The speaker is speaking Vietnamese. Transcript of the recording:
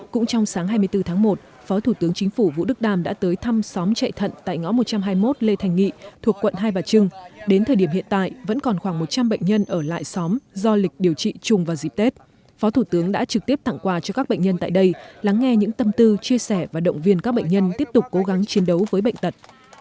cũng trong sáng hai mươi bốn tháng một phó thủ tướng chính phủ vũ đức đam đã tới thăm xóm chạy thận tại ngõ một trăm hai mươi một lê thành nghị thuộc quận hai bà trưng đến thời điểm hiện tại vẫn còn khoảng một trăm linh bệnh nhân ở lại xóm do lịch điều trị chung vào dịp tết phó thủ tướng đã trực tiếp tặng quà cho các bệnh nhân tại đây lắng nghe những tâm tư chia sẻ và động viên các bệnh nhân tiếp tục cố gắng chiến đấu với bệnh tật